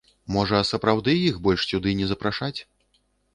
Можа, сапраўды іх больш сюды не запрашаць?